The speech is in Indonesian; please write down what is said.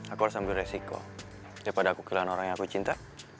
aku harus ambil resiko daripada aku kehilangan orang yang aku cinta